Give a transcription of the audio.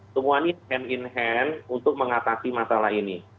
semua ini hand in hand untuk mengatasi masalah ini